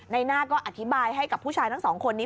หน้าก็อธิบายให้กับผู้ชายทั้งสองคนนี้